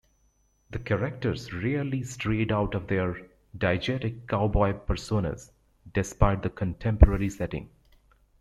The characters rarely strayed out of their diegetic cowboy personas, despite the contemporary setting.